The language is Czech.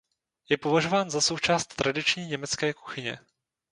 Je považován za součást tradiční německé kuchyně.